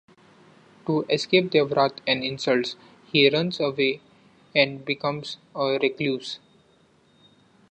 To escape their wrath and insults, he runs away and becomes a recluse.